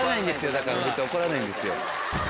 だから別に怒らないんですよ。